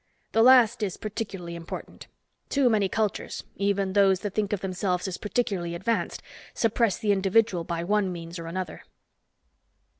The last is particularly important. Too many cultures, even those that think of themselves as particularly advanced, suppress the individual by one means or another."